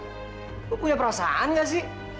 aku punya perasaan gak sih